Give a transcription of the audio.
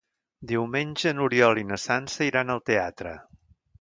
Diumenge n'Oriol i na Sança iran al teatre.